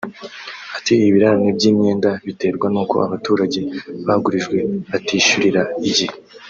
ati “Ibirarane by’imyenda biterwa n’uko abaturage bagurijwe batishyurira igihe